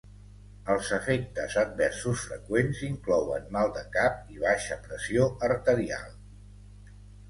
Els efectes adversos freqüents inclouen mal de cap i baixa pressió arterial.